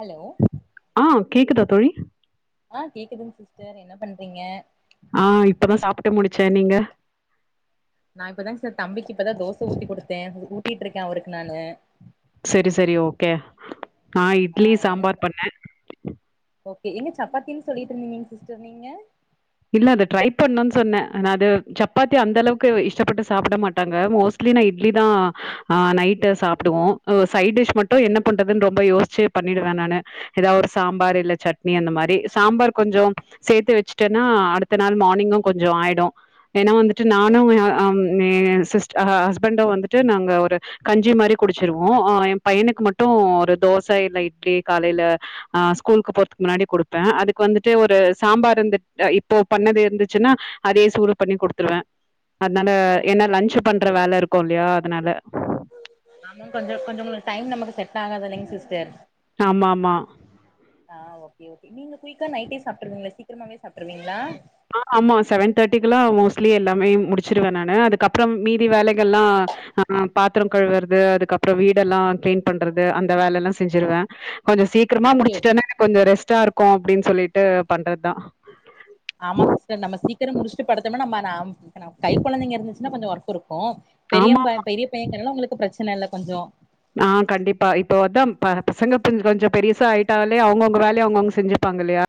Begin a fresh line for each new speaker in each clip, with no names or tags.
Hello
ஆஹ் கேக்குதா தோழி
ஆ கேக்குதுங்க சிஸ்டர் என்ன பண்றீங்க
ஆஹ் இப்பதா சாப்புட்டு முடிச்சே நீங்க
நா இப்பதாங் சர் தம்பிக்கு இப்பதா தோச ஊத்தி குடுத்தே ஊ உ கட்டிட்டு இருக்கே அவருக் நானு
சரி சரி ஓக நா
ஆ
இட்லி
என்ன
சாம்பார் பண்ணே
ஓகே எங்க சப்பாத்தின்னு சொல்லிட்டு இருந்திங்க சிஸ்டர் நீங்க
இல்ல அத ட்ரை பண்ணனு சொன்னே நா அது சப்பாத்தி அந்த அளவுக்கு இஷ்டப்பட்டு சாப்புட மாட்டாங்க மோஸ்ட்லி நா இட்லிதா ஆஹ் நைட் சாப்புடுவோ உஸ் சைடிஷ் மட்டு
ஓகே
என்ன பண்றது ரொம்ப யோசிச்சு பண்ணிடுவே நானு எதா ஒரு சாம்பார் இல்ல சட்னி அந்த மாரி சாம்பார் கொஞ்சொ சேர்த்து வச்சு ட்டன்னா அடுத்த நாள் மார்னிங்கு கொஞ்சொ ஆயிடு ஏனா வந்துட்டு நானு வெ அ அம் எ என் சிஸ்ட் ஆஹா ஹஸ்பண்டு வந்துட்டு நாங்க ஒரு கஞ்சி மாரி குடிச்சிருவோ அ எ பையனுக்கு மட்டு ஒரு தோச இல்ல இட்லி காலைல அ ஸ்கூலுக்கு போறதுக் முன்னாடி குடுப்பே அதுக்கு வந்துட்டு ஒரு சாம்பார் இருந்து அ இப்போ பண்ணது இருந்துச்சுன்னா அதே சூடு பண்ணி குடுத்துருவே அதுனால
ஓகே
ஏனா லஞ்சு பண்ற
சிஸ்டர்
வேல இருக்கு இல்லையா அதனால
ஸ்ட்ராங்க தானங்க சிஸ்டர்
ஆமா ஆமா
ஆஹ் ஓகே ஓகே நீங்க குயிக்கா நைட்டே சாப்ட்டுருவீங்களா சீக்கிரமே சாப்ட்டுருவீங்களா
ஆஹ் ஆமா செவன் தேட்டிக்ல்லா மோஸ்ட்லி எல்லாமே முடிச்சிருவ நானு அதுக்கப்புறம் மீதி வேலைகள்ல்லா அஹ் பாத்தரம் கழுவுறது அதுக்கப்புறம் வீடெல்லா கிளீன் பண்றது அந்த வேலல்லா செஞ்சிருவே கொஞ்ச சீக்கரமா
ஓகே
முடிச்சுட்டனா எனக் கொஞ்ச ரெஸ்டா இருக் கோ அப்டின்னு சொல்லிட்டு பண்றது தா
ஆமாங் சிஸ்டர் சீக்கிர முடிச்சுட்டு படுத்தம்னா நம்ம நாம் இப்ப நமக் கை கொழந்தைங்க இருந்துச்சுனா கொஞ்ச ஒர்க் இருக் கு
ஆமா
பெரியம்ப பெரிய பையங்குறனால உங்களுக்கு பிரச்சன இல்ல கொஞ்ச
ஆஹ் கண்டிப்பா இப்போ வந் பசங்கஞ கொஞ்ச பெருசா ஆயிட்டாலே அவங்கவுங்க வேலைய அவங்கவுங்க செஞ்சுப்பாங்க இல்லையா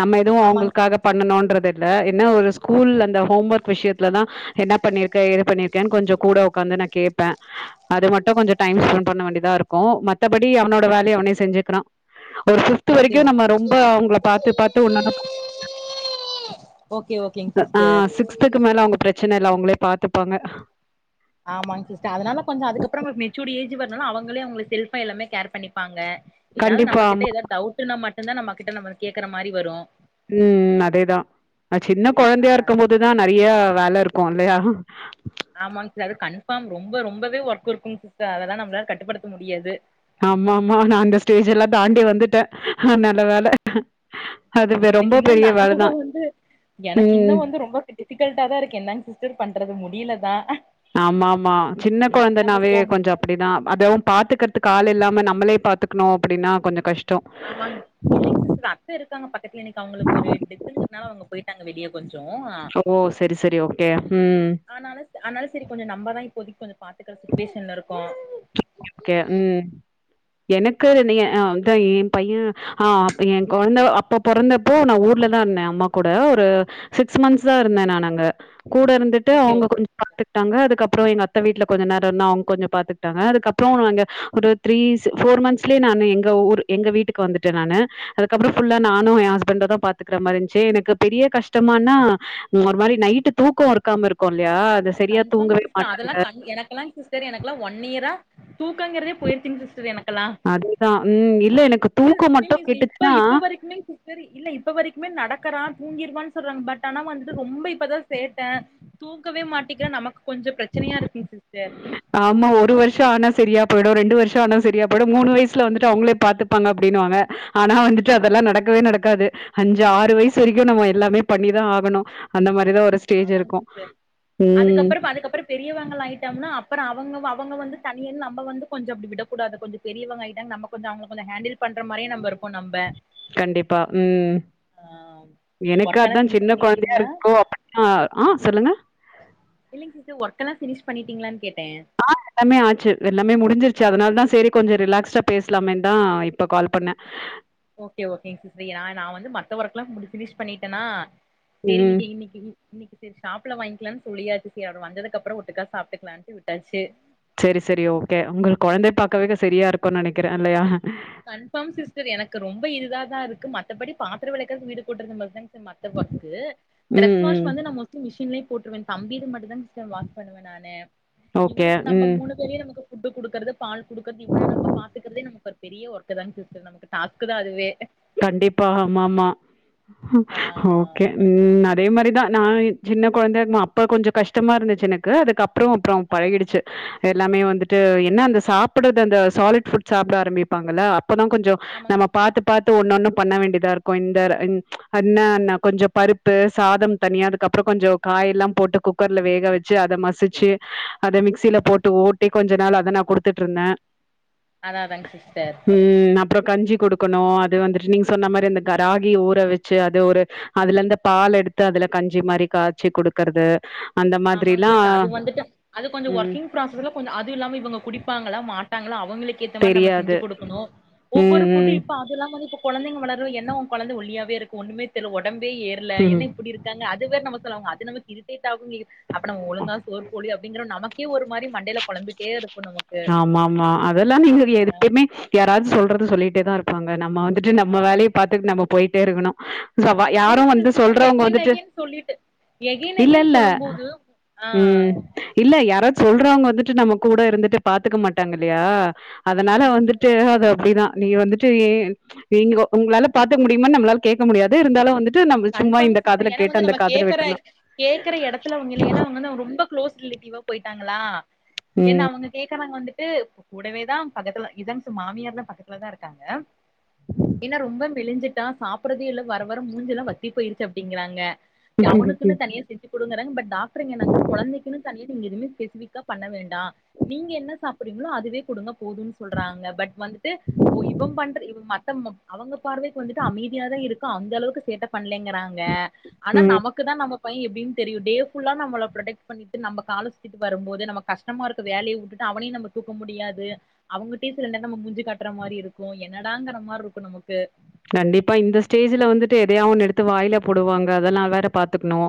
நம்ம எதுவும்
ஆமாங்க சிஸ்
அவங்களுக்காக பண்ணணுறதில்லா இல்ல என்ன ஒரு ஸ்கூல் அந்த ஹோம் ஒர்க் விஷயத்துல தா என்ன பண்ணிருக்க எது பண்ணிருக்கனு கொஞ்சோ கூட உக்காந்து நா கேப்பே அது மட்டு கொஞ்ச டைம் ஸ்பென் வேண்டிதா இருக்கு மத்தாபடி அவனோட வேலைய அவன செஞ்சுக்கிறா ஒரு பிப்த்
ஓகே ஓ
வரைக்கும் நம்ம ரொம்ப அவங்கள பாத்து பாத்து ஒன்னொன்னு
ஓகே ஓகேங்
[unintelligible]
சிஸ்டர்
ஆஹ் சிக்ஸ்துக்கு மேல அவங்க பிரச்சனை இல்ல அவங்களே பாத்து
ஆமாங்க சிஸ்டர் அதனால கொஞ்சோ அதுக்கப்பறோ மெச்சூடு ஏஜ் [unintelligible] அவங்களே அவங்களுக்கு செல்ஃபா எல்லாமே கேர் பண்ணிப்பாங்க எதாவது
கண்டிப்பா
நம்ம கிட்ட
ஆமா
எதா டவுட்டுனா மட்டு இதுதா நம்ம கிட்ட நம்ம கேக்குற மாரி வரு
உம் அதேதா சின்ன கொழந்தையா
அதா
இருக்கு போதுதா நெறைய வேல இருக் கும் இல்லையா
ஆமாங் சார் கண் [unintelligible] ரொம்ப ரொம்பவே ஒர்க் இருக்கும் சிஸ்டர் அதெல்லா நம்மளால கட்டுப்படுத்த முடியாது
ஆமா ஆமா நா இந்த ஸ்டேஜ் எல்லா தாண்டி வந்துட்ட ஹ நல்ல வேல அது
எனக்கு
ரொம்ப
இன்னு
பெரிய வேலதா
நடந்ததே வந்து எனக்கு
ம்
இன்னு வந்து ரொம்ப டிஃபிகல்டா தா இருக்கு என்னாங் சிஸ்டர் பண்றது முடியல அஹ்ஹ
ஆமா ஆமா சின்ன கொழந்தனாவே
சோ
கொஞ்சோ அப்படிதா அதவு பாத்துக்கறதுக்கு ஆல் இல்லாம நம்ளே பாத்துக்கணு அப்படின்னா கொஞ்சோ கஷ்
ஆமாங் இல்லைங் சிஸ்டர் அத்த இருக்காங்க பக்கத்துல இன்னைக்கி அவங்களுக்கு ஒரு டெத்ன்றனால அவங்க போய் தங்க வெளிய கொஞ்சோ
ஓ! சரி, சரி. ஓகே. ம்.
ஆனால ஆனாலு செரி கொஞ்சோ நம்மதா இப்போதைக்கி கொஞ்சோ பாத்துக்கற சுச்சுவேஷன்ல இருக்கோ
ஒகே ஒகே உம் எனக்கு [unintelligible] என் பையன் ஆஹ் என் கொழந்த அப்ப பொறந்தப்போ நா ஊர்லதா இருந்த அம்மா கூட ஒரு சிக்ஸ் மன்ஸ் தா இருந்த நா அங்க கூட இருந்துட்டு
ஓகே
அவங்க
ஓகே
கொஞ்சோ பாத்துட்டாங்க அதுக்கப் அப்பறோ எங்க அத்த வீட்ல கொஞ்ச நேரோ அவங்க கொஞ்சோ பாத்து [inaudible] அதுக்கப்றோ [inaudible] த்ரீஸ் ஒரு ஃபோர் மன்ஸ்லையே நானு எங்க ஊருக்கு எங்க வீட்டுக்கு வந்துட்ட நானு அதுகப்பறோ ஃபுல்லா நானு என் ஹஸ்பண்டு தா பாத்துக்கிற மாரி இருன்சு எனக்கு பெரிய கஷ்டமானா ஒரு மாரி நைட்டு தூக்கோ இருக்காம இருக்கும் இல்லையா அது சரியா
கன்ஃபார்ம்
தூங்கவே
சிஸ்டர் அதெல்லா
மாட்டாங்க
[unintelligible] எனக்கெல்லா சிஸ்டர் எனக்கெல்லா ஒன் இயரா தூக்கங்கறதே போயிருச்சுங்க சிஸ்டர் எனக்
அதுதா உம் இல்ல எனக்கு
ஸ்டில்
தூக்கோ
ஸ்டில்
மட்டு
இஸ்ய இப்ப
கெட்டுச்சுன்னா
இப்ப வரைக்குமே சிஸ்டர் இல்ல இப்ப வரைக்குமே நடக்கறா தூங்கிடுவான்னு சொல்றாங்க பட் ஆனா வந்துட ரொம்ப இப்பதா சேட்ட தூக்கவே மாட்டிக்கிற நமக்கு கொஞ்சோ ப்ரெச்சனையா இருக்குங் சிஸ் ஸ்டர்
ஆமா ஒரு வருஷோ ஆனா செரியா போய்டு ரெண்டு வருஷோ ஆனா செரியா போய்டு மூணு வயசுல வந்துட்டு அவுங்களே பாத்துப்பாங்க அப்டின்னுவாங்க ஆனா வந்துட்டு அதெல்லா நடக்கவே நடக்காது அஞ்சு ஆறு வயசு வரைக்கு நம்ம எல்லாமே பண்ணிதா ஆகணு அந்த மாரி தான் ஒரு ஸ்டேஜ்
ஆமாங்க
இருக்கும்.
சிஸ்டர்
ம்.
அதுக்கப்பறோ அதுக்கப்பறோ பெரியவங்களா ஆயிட்டோம்னா அப்பறோ அவுங்க அவுங்க வந்து தனி நம்ம வந்து கொஞ்சோ அப்டி விடக்கூடாது கொஞ்சோ பெரியவங் ஆயிட்டாங் நம்ம கொஞ்சோ அவுங்க கொஞ்சோ ஹேண்டில் பண்ற மாரி நம்ம இருப்போ நம்ப
கண்டிப்பா உம்
ஆ
எனக்கு
ஒர்க்கெல்லா
அதான்
ஃபினிஷ்
சின்ன கொழந்தையா
பண்ணிட்டீங்களா
இருக்கோ அப்டிதா ஆஹ் சொல்லுங்க
இல்லங்க சிஸ்டர் ஒர்க்கெல்லா பினிஷ் பண்ணிட்டீங்களான்னு கே
ஆஹ் எல்லாமே ஆச்சு எல்லாமே முடிஞ்சிருச் ச்சு அதனாலதா சேரி கொஞ்சோ ரிலாக்சா பேசலாமே தா இப்ப கால் பண்ணேன்
ஓகே ஓகேங்கா சிஸ்டர் நா நான் வந்து மத்த ஒர்க் எல்லா பினிஷ் பண்ணிட்டேனா சேரி
ம்.
இன்னைக்கி இன்னிக்கி இ இன்னைக்கு சேரி ஷாப்ல வாங்கிக்கலாம்னு சொல்லியாச்சி சேரி அவர் வந்ததுக்கு அப்புறோ ஒட்டுக்கா சாப்புட்டுக்கலான்னுட்டு விட்டாச்சு
சேரி சேரி ஓகே உங்களுக்கு கொழந்தை பாக்கவேக்க செரியா இருக்கும்னு நெனைக்கிறே இல்லையா
கன்ஃபார்ம் சிஸ்டர் எனக்கு ரொம்ப இதுதா தா இருக்கு மத்தபடி பாத்திர வெளக்குறது வீடு கூட்டுறது மட்டும் தா மத்த ஒர்க
ம்,
டிரஸ் வாஷ்
ம்.
வந்து நா மோஸ்லி மிஷின்ல போற்றுவேன் தம்பிது மட்டும்தா வாஷ்பண்ணுவேன் நானு
ஓகே.
இவனுக்கு நம்ம மூணு
ம்.
வேலயும் நமக் ஃபுட்டு் கொடுக்கறத பால் குடுக்குறது இவன நம்ம பாத்துக்கறதே நம பெரிய ஒர்க்க தாங்க சிஸடர் நமக்கு டாஸ்க்குதா அதுவே
கண்டிப்பா ஆமாமா
ஆ
ஓகே உம் அதே மாரிதா நா சின்ன கொழந்தைய இருக்கு போ அப்ப கொஞ்சோ கஷ்டமா இருந்துச்சு எனக்கு அதுக்கு அப்றோ அப்றோ
ஆ
பழகிடுச்சு எல்லாமே வந்துட்டு என்ன அந்த சாப்புட்றது அந்த சாலிட் ஃபுட் சாப்பிட ஆரம்பிப்பாங்கள அப்ப தா கொஞ்சோ
ஆமாங்க
நம்ம
சிஸ்டர்
பாத்து இன்னொன்னும் பண்ண வேண்டியதா இருக்கோ இந்த அன்னான்னா கொஞ்சோ பருப்பு சாதோ தனியா அதுக்கப்புறோ கொஞ்சோ காய எல்லா போட்டு குக்கர்ல வேக வெச்சு அத மசிச்சு அத மிக்சியில போட்டு ஓட்டி கொஞ்சோ நாள் அத நா குடுத்துட்டு இருந்தே
அத்தா அத்தாங்க சிஸ்டர்
அப்பறோ கஞ்சி கொடுக்க னு அது வந்துட்டு நீங்க சொன்ன மாரி இந்த கராகி ஊற வெச்சு அது ஒரு அதுல இருந்து பால் எடுத்து அதுல கஞ்சி மாரி காச்சி குடுக்கறது அந்த
ஆமாங்
மாதிரிலாம்
சிஸ்டர் அது வந்துட்டு அது கொஞ்சோ
ம்
ஒர்க்கிங் ப்ராசஸ் கொஞ்சோ அது இல்லாம இவ குடிப்பாங்களா மாட் டங்ளால அவங்களுக்கேத்த மாரி நம்ம செஞ்சு
தெரியாது
குடுக்கணு ஒவ்வொரு
ம்
ஃபுட்டு
ம்
இப்ப அதெல்லாம் வந்து இப்ப கொழந்தைங்க உணர்வு என்ன ஒ கொழந்த ஒல்லியாவே இருக்கு ஒன்னுமே தெர்லயே ஒடம்பே ஏற்ல என்ன
ம்
இப்டி இருக்காங்க அது வேற நம்ம சொல்லுவாங்க அது நமக்கு இரிடேட் ஆகுமே அப்ப நம்ம ஒழுங்கா சோறு பொழு அப்டிங்கற நமக் கு ஒரு மாரியும் மண்டைல கொழம்பிட்டே இருக்கு நமக்
ஆமா ஆமா அதெல்லா நீங்க எடுப்பமே யாராவ்ரது சொல்றது சொல் போய்ட்டே தா இருப்பாங்க நம்ம வந் துட்டு நம்ம வேலைய
ஆமாங்க
பாத்துட்டு நம்ம போய்ட்டே இருக்கணு லவ்வா யாரு
இல்லைங்க
வந்து
சிஸ்டர் சும்மா
சொல்றவ்ங்க
எகைன்
வந்துட்டு
எகைன் சொல்லிட்டு எகைன்
இல்ல
எகைன்
இல்ல
சொல்லும் போது ஆ
உம் இல்ல யாரோ சொல்றவ்ங்க வந்துட் டு நம்மக்கூட இருந்துட்டு பாத்துக்க மாட்டாங்க இல்லயா அதனால
ஆமாங்க சிஸ்டர்
வந்துட்டு அது அப்டிதா நீ வந்துட்டு ஏ நீங்கோ உங்களால பாத்துக்க முடியுமான் நம்பளால கேக்க முடியாது இருந்தாலு வந்து
கன்ஃபார்ம் சிஸ்டர் ஏனா வந்து நம்ம கேக்கற
விட்டுர்ணும்.
கேக்குற எடத்துல அவ்ங்க இல்ல ஏனா அவ்ங்களா ரொம்ப க்ளோஸ் ரிலேட்டிவா போய்ட் டாங்களா என்ன
ம்.
அவ்ங்க கேக்றாங்க வந்து ட்டு ஒ கூடவே தா பக்கத்துல இதான் சு மாமியார்லா பக்கத்துலதா இருக்காங்க என்ன ரொம்ப மெலிஞ்சிட் டா சாப்ட்றதே இல்ல வர வர மூஞ்சிலா வத் திப் போயிருக்கு அப்டிங்கிறாங்க எ அவனுக்குனு தனியா செஞ்சு குடுங்கறாங் பட் டாக் ருங்க நாங்க கொழந்தைக்குனு தனி நீ நீங்க எதுவுமே பெசிஃபிக்கா பண்ண வேண்டா நீங்க என்ன சாப்ட்றீங்ளோ அதுவே குடுங்க போதுன் சொல்றாங்க பெட் வந்துட்டு ஒ இவன் பண்ற இவ் மத்தன்மம் அவங்க பாடுதா இப்ப வந்துட்டு அமைதியா தா இருக்கா அந்த அளவுக்கு சேட்ட பண்லேங்க றாங்க ஆனா
ம்.
நமக்கு தா நம்ம பைய எப்டின் தெரியு டே ஃபுல்லா நம்மல ப்ரொடெக்ட் பண்ணிட்டு நம்ப கால சுத்திட்டு வரும்போது நமக்கு கஷ்டமா இருக்கு வேலையு விட்டுட்டு அவனையு நம்ம தூக்க முடியாது அவங்கிட்டயு சில நேர நம்ம மூஞ்ச காட்ற மாரி இருக்கு என்னடாங்கிற மார்ருக்கு நமக்கு
கண்டிப்பா இந்த ஸ்டேஜ்ல வந்துட்டு எதையோ ஒன்னு எடுத்து வாயில போடுவாங்க அதனா வேற பாத்துக்ணு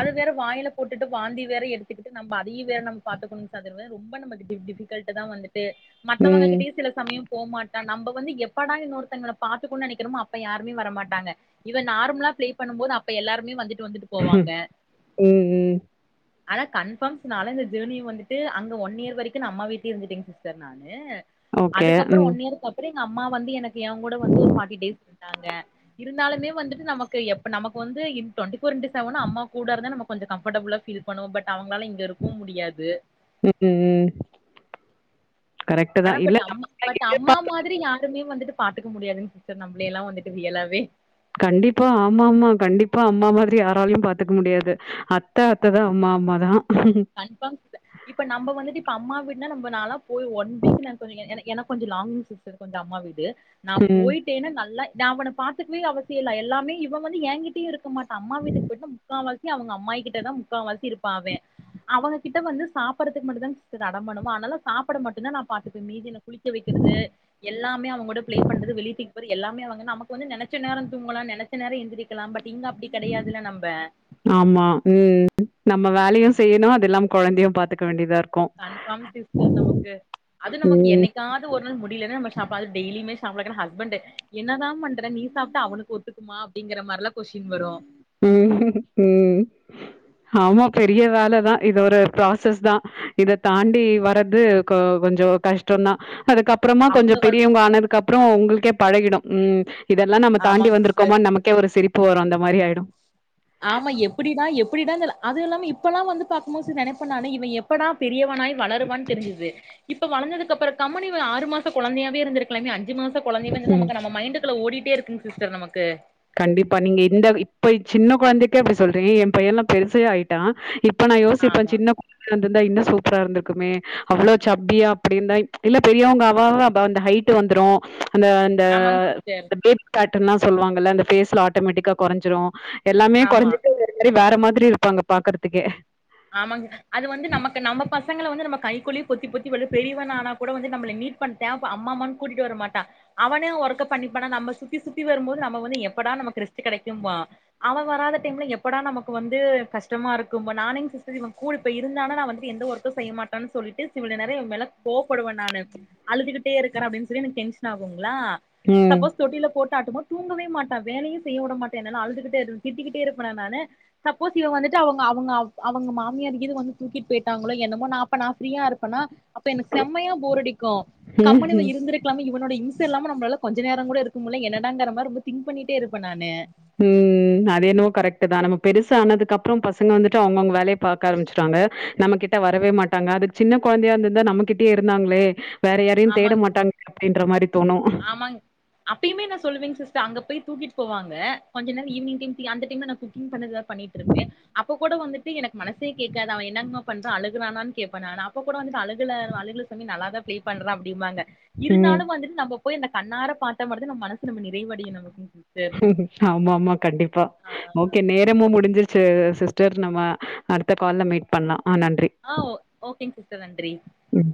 அது வேற வாயில போட்டுட்டு வாந்தி வேற எடுத்துக்கிட்டு நம்ப அதையு வேற நம்ம பாத்துக்கணு சகர்த ரொம்ப நமக்கு டிஃப் டிஃபிக்கல்ட்டு தா வந்து ட்டு
ம்.
மத்தவ்ங்ககிட்டயு சில சமயம் போமாட்டா நம்ப வந்து எப்படா இன்னொருத்தங்கள பாத்துகோன் நெனைக்கிறமோ அப்ப யாருமே வர மாட்டாங்க இவ நார்ம்லா ப்ளே பண்ணும்போது அப்ப எல்லாருமே வந்துட்டு வந்துட்
ம் ம்
ஆனா கன்ஃபார்ம்ஸ் நாலா இந்த ஜர்னிய வந்துட்டு அங்க ஒன் இயர் வரைக்கூ நா அம்மா வீட்லியே இருந்துட்டேங்க சிஸ்டர் நானு
ஓகே.
அதுக்கப்றோ
ம்.
ஒன் இயருக்கப்றோ அம்மா வந்து எனக்கு ஏங்கூட வந்து ஒரு ஃபார்டி டேஸ் இருந்தாங்க இருந்தாலுமே வந்துட்டு நமக்கு எப் நமக்கு வந்து இப் டொன்ட்டி ஃபோர் இண்ட் செவன் அம்மா கூட இருந்தா நம்ம கொஞ்ச கம்ஃபர்டபுளா ஃபீல் பண்ணுவோ பட் அவ ங்களால இங்க இருக்கவூ முடியாது
ம், ம். கரெக்ட்டு
ஆனா
தான். இல்ல
பட் அம்
நம்ம
பட் அம்மா
எதிர்பார்த்து
மாத்ரி யாருமே வந்துட்டு பாத்துக்க முடியாதுங் சிஸ்டர் நம்ளே எல்லா வந்துட்டு ரியலாவே
கண்டிப்பா ஆமாமா கண்டிப்பா அம்மா மாத்ரி யாராலையூ பாத்துக்க முடியாது அத்த அத்ததா அம்மா அம்மா தா
கன்ஃபாம் சிஸ்டர் இப்ப நம்ப வந்துட்டு இப்ப அம்மா வீட் என்ன நம்ப நாளா போய் ஒன் வீக் நா கொஞ்ச எனக் கொஞ்சோ லாங் சிஸ்டர் கொஞ்சோ அம்மா வீடு நா
ம்.
போயிட்டேனா நல்லா நா அவன பாத்துக்கவே அவசியோ இல்ல எல்லாமே இவ வந்து ஏங்கிட்டேயூ இருக் க மாட்டா அம்மா வீட்டுக்கு போய்ட்டா முக்காவா அவுங்க அம்மாயிகிட்டதா முக்காவாசி இருப்பா அவ அவங்ககிட்ட வந்து சாப்படதுக்கு மட்டுந்தா சிஸ்டர் அடம்பண்ணு ஆனால சாப்பட மட்டுந்தா நா பாத்துப்பே மீதிலா குளிக்க வெக்கிறது எல்லாமே அவங்ளோட ப்ளே பண்றது வெளிய போய் எல்லாமே அவூங்க நமக்கு வந்து நெனச்ச நேரோ தூங்கலா நெனச்ச நேரோ எந்திரிக்கலா பட் இங்க அப்டி கெடையாதுல நம்ப
ஆமா ம் நம்ம வேலயூ செய்யணூ அதெல்லாம் குழந்தையூ பாத்துக்க வேண்டியதாருக்
கன்ஃபாம் சிஸ்டர் நமக்கு அது நமக்கு
ம்.
என்னைக்காது ஒர் முடியலானா நம்ம சாப்பாடு டெய்லியூ சாப்ட வெக்கணூ ஹஸ்பண்ட் என்னதா பண்றே நீ சாப்டா அவனுக்கு ஒத்துக்குமா அப்டிங்கற மாரெல்லா கொஸ்டின் வரூ
ம் ம் ஆமா பெரிய வேலதா இது ஒரு ப்ராசஸ் தா இத தாண்டி வரீறது கொ கொஞ்சோ கஷ்டந்தா அதுக்கப்றமா கொஞ்சோ
அவங்க வந்
பெரியவங்கானதுக்கப் அப்றோ உங்களுக்கே பழகிடூ ம் இதெல்லாமக்ஷ நம்ம தாண்டி
ஆமாங் சிஸ்டர்
வந்திருக்கோமான் நமக்கே ஒரு சிரிப்பு வரூ அந்த மாரி ஆயிடூ
ஆமா எப்டிதா எப்டிதானு தெல அதுயில்லாம இப்பெல்லா வந்து பாக்கும்போது நெனப்பே நானு இவ எப்படா பெரியவனாய் வளருவா தெரிஞ்சுது இப்ப வளந்ததுக்கப்றோ கம்முனு இவ ஆறு மாசோ குழந்தையாவே இருந்திருக்கலாமேன் அன் அஞ்சு மாசோ கொழந்தைய வந்து நமக் நம்ம மைண்டுக்குள ஓடிட் டேயிருக்கூ சிஸ்டர் நமக்கு
கண்டிப்பா நீங்க இந்த இப்ப சின்ன குழந்தைக்கே அப்டி சொல்றீங்க என் பையன்லா பெருசே ஆயிட்டா இப் ப நா யோசிப்பே
ஆமா
சின்னக் [inaudible] ந்தா இன்னூ சூப்பராருந்திர்க்குமே அவ்ளோ சப்பியா அப்டிர்ந்தா இல்ல பெரியவங்க அவ வா அந்த ஹைட்டு வந்துரூ அந்த அந்த
ஆமாங் சிஸ்டர்
டேட் கட் டுல்லா சொல்வாங்கல்ல அந்த ஃபேஸ்லா ஆட்டோமேட்டிக்கா கொறைஞ்சிரூ யெல்லாமே
ஆமா
குறைஞ்ட்டு [inaudible] மாரி வேற மாதிரி யிருப்பாங்க பாக்கறதுக்கே
ஆமாங்க அது வந்து நமக்கு நம்ப பசங்களை வந்து நம்ம கைக்குள்ளயே பொத்திப் பொத்தி வள பெரியவனானா கூட வந்து நம்பள நீட் பண் தேவ அம்மா அம்மான்னு கூட்டிட்டு வர மாட்டா அவனே அவ ஒர்க பண்ணிப்பானா நம்ம சுத்தி சுத்தி வரும்போது நம்ம வந்து எப்படா நமக் ரெஸ்ட் கெடைக்கும்போ அவ வராத டைம்ல எப்படா நமக்கு வந்து கஷ்டமா இருக்குமோ நானெங் சிஸ் யிவன் கூல் யிப்ப ருந்தானா நா வந்துட்டு எந்த ஒர்த்தும் செய்ய மாட்ட சொல்லிட்டு யிவ்ளோ நேரோ என்மேல கோபப்படுவே நானு அழுதுகிட்டேருக்கிற அப்டின்னு சொல்லி எனக் டென்ஸ் [unintelligible] ங்களா
ம்.
சப்போஸ் தொட்டில போட்டாட்டும்போ தூங்கவே மாட்டா வேலயு செய்யவுட மாட்டானா அழுதுகிட்டே இரு திட்டிக்கிட்டே இருப்பேனா நானு சப்போஸ் இவ வந்துட்டு அவ்ங்க அவ்ங்க அப் அவங்க மாமியார் கீது வந்து தூக்கிட்டு போயிட்டாங்களோ யென்னமோ நா ப்ப நா ப்ரீயா யிருப்பனா அப்ப யெனக்கு செமயா போரடிக்கு கம்முனிவ
ம்ஹ்ம்.
யிருந்திருக்கலாம யிவனோட இம்ச யில்லாம நம்மளால கொஞ்ச நேர கூட இருக்க முடில என்னடாங் மாதிரி ரொம்ப திங்க் பண்ணிட்டே இருப்
ம் அது என்னமோ கரெக்ட் தா நம்ம பெருசு சா ஆனதுக்கு அப்பற பசங்க வந்துட்டு அவங்கவுங்க வேலை பாக்க ஆரம்பிச்சடாங்க நம்ம கிட்ட வரவே மாட்டாங்க அது சின்ன கொழந்தையா இருந்திருந்தா நம்மகிட்டயே இருந்தாங்களே வேற யாரையும் தேட
ஆமாங்
மாட்டாங்களே! அப்டின்ற மாரி தோணும்.
ஆமாங் அப்பயிமே நா சொல்லுவேங் சிஸ்டர் அங்க போய் தூக்கிட்டு போவாங்க கொஞ்ச நேர ஈவினிங் டைம் ப்ரியா அந்த டைம்ல நா குக்கிங் பண்ணறது பண்ணிட்டு இருப்பே அப்ப கூட வந்துட் விட்டுட்டு எனக்கு மனசே கேக்காது அவ என்னங்கமா பண்றா அழுகுறானு கேப்பே நானு அப்ப கூட வந்துட்டு அழுகல அழுகல சாமி நல்லதா பே பண்றா அப்டிபாங்க
ம்.
இருந்தாலு வந்துட்டு நம்மோ போயி இந்த கண்ணார பாத்த மட்டு தா நம்ம மனசு நம்ம நிறைவடியு நமக்கு சிஸ்டர்
ஆமா ஆமா கண்டிப்பா
ஆ
ஓகே நேரமும் முடிஞ்சிருச்சு செரி சிஸ்டர் நம்ம அடுத்த கால்ல மீட் பண்ணலா
ஆங் ஓ ஓக் செரிங்க சிஸ்டர் நன்றி
ம்